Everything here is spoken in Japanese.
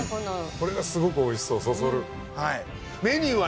これがすごくおいしそうそそる。